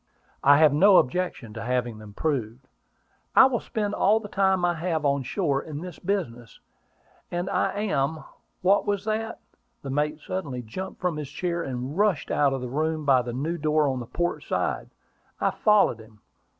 "I have no objection to having them proved." "I will spend all the time I have on shore in this business; and I am What was that?" The mate suddenly jumped from his chair, and rushed out of the room by the new door on the port side. I followed him.